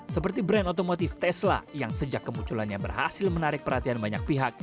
seperti brand otomotif tesla yang sejak kemunculannya berhasil menarik perhatian banyak pihak